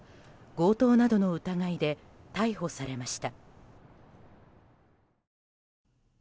強盗などの疑いで逮捕されました。